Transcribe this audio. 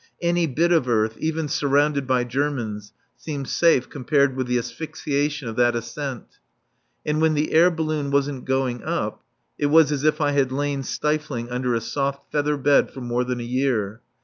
Any bit of earth, even surrounded by Germans, seems safe compared with the asphyxiation of that ascent. And when the air balloon wasn't going up it was as if I had lain stifling under a soft feather bed for more than a year.